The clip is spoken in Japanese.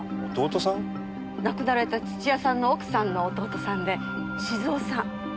亡くなられた土屋さんの奥さんの弟さんで鎮夫さん。